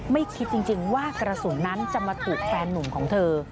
ไม่คิดจริงว่ากระสุนนั้นจะมาถูกแฟนหนุ่มของเธอ